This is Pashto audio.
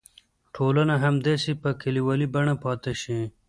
ټولنه همداسې په کلیوالي بڼه پاتې شي.